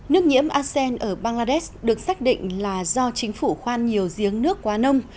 nước nhiễm asean ở bangladesh được xác định là do chính phủ khoan nhiều giếng nước quá nông